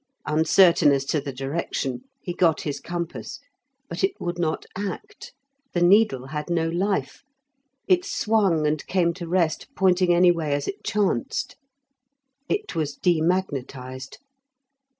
Uncertain as to the direction, he got his compass, but it would not act; the needle had no life, it swung and came to rest, pointing any way as it chanced. It was demagnetized.